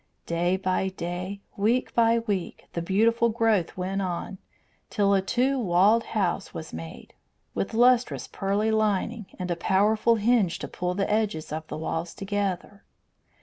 Day by day, week by week, the beautiful growth went on, till a two walled house was made, with lustrous pearly lining and a powerful hinge to pull the edges of the walls together.